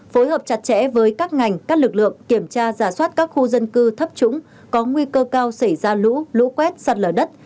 phối hợp chặt chẽ với các ngành các lực lượng kiểm tra giả soát các khu dân cư thấp trũng có nguy cơ cao xảy ra lũ lũ quét sạt lở đất